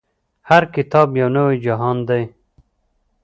هر کتاب يو نوی جهان دی.